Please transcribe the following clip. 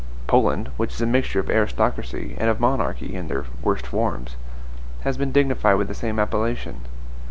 Poland, which is a mixture of aristocracy and of monarchy in their worst forms, has been dignified with the same appellation.